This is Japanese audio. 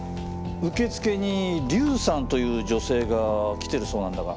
受付にリュウサンという女性が来てるそうなんだが。